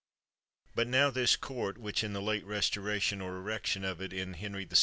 But now this court, which in the late restoration or erection of it in Henry VII.